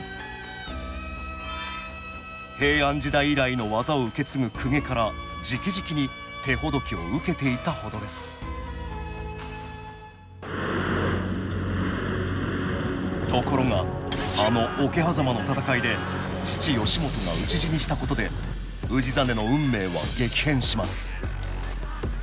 平安時代以来の技を受け継ぐ公家からじきじきに手ほどきを受けていたほどですところがあの桶狭間の戦いで父義元が討ち死にしたことで氏真の運命は激変します